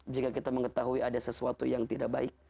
jika kita mengetahui ada sesuatu yang tidak baik